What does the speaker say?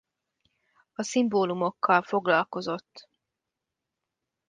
A szimbólumokkal foglalkozott.